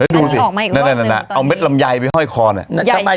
ดูสิเอาเม็ดลำยายไปห้อยคอเนี้ย